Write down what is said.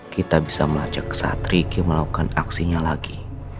kita bisa melacak saat riki melakukan aksinya lagi